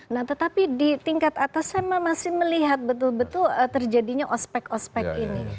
nah tetapi di tingkat atas saya masih melihat betul betul terjadinya ospec ospec ini